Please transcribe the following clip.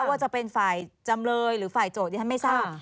ว่าจะเป็นฝ่ายจำเลยหรือฝ่ายโจทย์ดิฉันไม่ทราบ